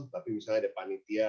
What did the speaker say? tapi misalnya ada panitia